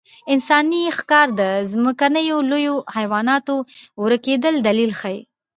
انساني ښکار د ځمکنیو لویو حیواناتو ورکېدو دلیل ښيي.